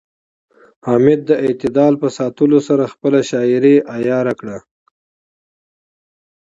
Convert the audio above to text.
حمید د اعتدال په ساتلو سره خپله شاعرۍ عیاره کړه